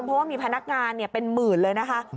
เพราะว่ามีพนักงานเป็นหมื่นเลยนะคะ